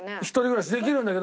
できるんだけど。